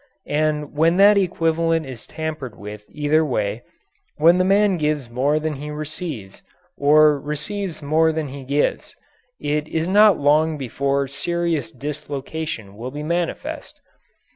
And when that equivalent is tampered with either way when the man gives more than he receives, or receives more than he gives it is not long before serious dislocation will be manifest.